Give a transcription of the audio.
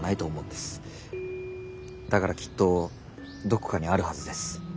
だからきっとどこかにあるはずです